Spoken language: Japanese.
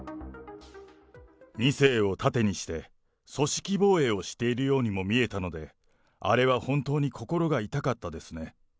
２世を盾にして、組織防衛をしているようにも見えたので、あれは本当に心が痛かったですね。